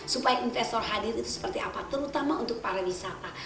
supaya investor hadir itu seperti apa terutama untuk pariwisata